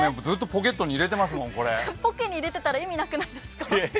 ポッケに入れてたら意味なくないですか？